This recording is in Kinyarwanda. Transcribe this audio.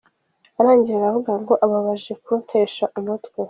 Arangije aravuga ngo aba baje kuntesha umutwe.